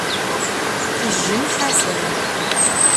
Tejjem Ḥasan.